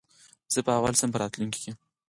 زه به اول شم په راتلونکې کي